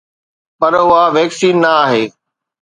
پر اها ويڪسين نه آهي